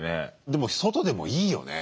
でも外でもいいよね。